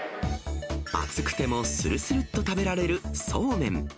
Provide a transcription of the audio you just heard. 暑くてもするするっと食べられるそうめん。